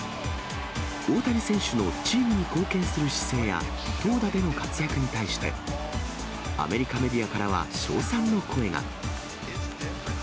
大谷選手のチームに貢献する姿勢や、投打での活躍に対して、アメリカメディアからは称賛の声が。